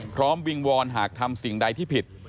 วิงวอนหากทำสิ่งใดที่ผิด